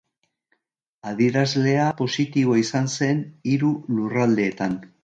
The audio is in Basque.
Adierazlea positiboa izan zen hiru lurraldeetan.